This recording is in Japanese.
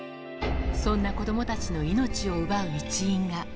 そんな子どもたちの命を奪う一因が。